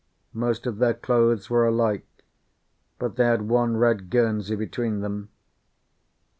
Most of their clothes were alike, but they had one red guernsey between them.